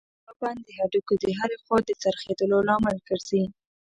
دا بند د هډوکو د هرې خوا د څرخېدلو لامل ګرځي.